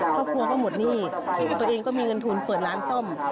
ครอบครัวก็หมดหนี้ตัวเองก็มีเงินทุนเปิดร้านซ่อม